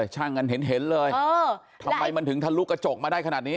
ช่างกันเห็นเลยทำไมมันถึงทะลุกระจกมาได้ขนาดนี้